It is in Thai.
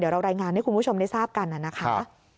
เรารายงานให้คุณผู้ชมได้ทราบกันนะคะ